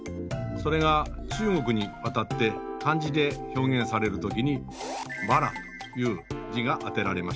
それが中国に渡って漢字で表現される時に「魔羅」という字が当てられました。